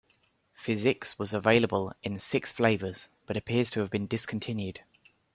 Fizzix was available in six flavors, but appears to have been discontinued.